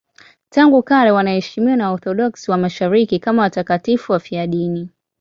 Tangu kale wanaheshimiwa na Waorthodoksi wa Mashariki kama watakatifu wafiadini.